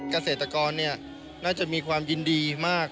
เกษตรกรน่าจะมีความยินดีมาก